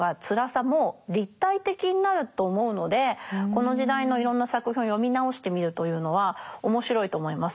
この時代のいろんな作品を読み直してみるというのは面白いと思います。